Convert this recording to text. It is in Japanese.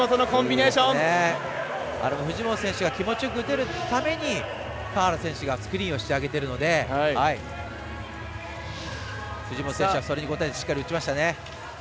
藤本選手が気持ちよく打つために川原選手がスクリーンをしてあげているので藤本選手は、それにこたえてしっかり打ちましたね。